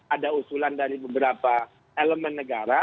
ada usulan dari beberapa elemen negara